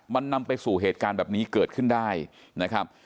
มันนำไปสู่เหตุการณ์แบบนี้เกิดขึ้นได้นะครับ